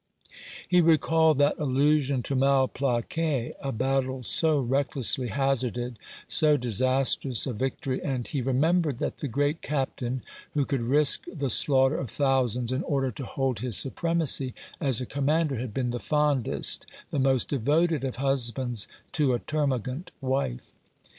He recalled that allusion to Malplaquet — a battle so recklessly hazarded, so disastrous a vic tory, and he remembered that the great Captain who could risk the slaughter of thousands in order to hold his supremacy as a commander had been the fondest, the most devoted of husbands to a termagant wife.